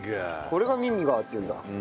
これがミミガーっていうんだ。